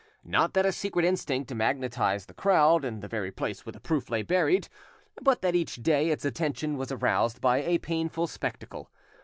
Not that a secret instinct magnetised the crowd in the very place where the proof lay buried, but that each day its attention was aroused by a painful spectacle.